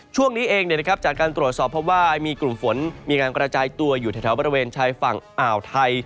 ช่วงนี้เองจากการตรวจสอบเพราะว่ามีกลุ่มฝนมีการกระจายตัวอยู่แถวบริเวณชายฝั่งอ่าวไทย